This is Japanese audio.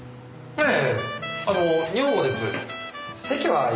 ええ。